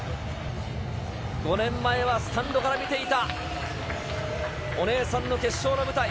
５年前はスタンドから見ていた、お姉さんの決勝の舞台。